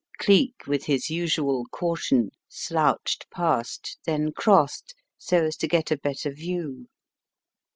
Geek, with his usual caution, slouched past, then crossed so as to get a better view.